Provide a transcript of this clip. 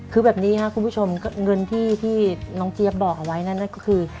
คือแบบนี้ครับคุณผู้ชมเงินที่น้องเจี๊ยบบอกเอาไว้นั่นก็คือ